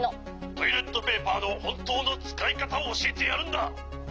「トイレットペーパーのほんとうのつかいかたをおしえてやるんだ」。